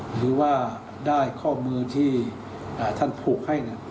หรือว่าได้ข้อมือที่อ่าท่านผูกให้เนี่ย